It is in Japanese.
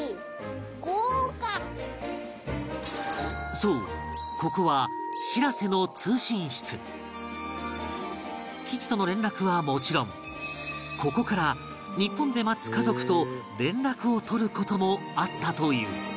そうここはしらせの通信室基地との連絡はもちろんここから日本で待つ家族と連絡を取る事もあったという